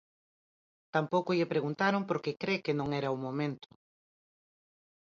Tampouco lle preguntaron porque cre que non era o momento.